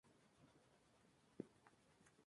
Se creía que el álbum se iba a llamar ""Icon"".